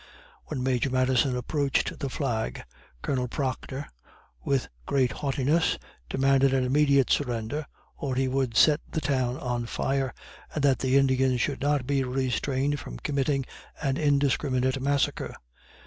When Major Madison approached the flag, Colonel Proctor, with great haughtiness, demanded an immediate surrender, or he would set the town on fire, and that the Indians should not be restrained from committing an indiscriminate massacre.